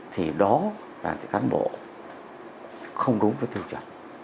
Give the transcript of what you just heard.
thì đó là cán bộ không đúng với tiêu chuẩn